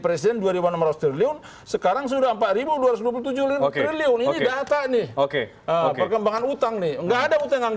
presiden dua ribu enam triliun sekarang sudah empat ribu dua ratus dua puluh tujuh ok ok ok ok perkembangan utang nih nggak ada utang